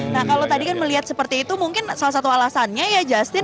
nah kalau tadi kan melihat seperti itu mungkin salah satu alasannya ya justin